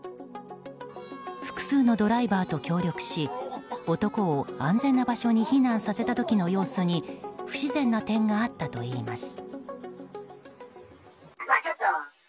複数のドライバーと協力し男を安全な場所に避難させた時の様子に不自然な点があったといいます。